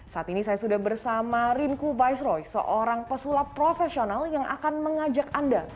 saat ini saya sudah bersama rinku baisroy seorang pesulap profesional yang akan mengajak anda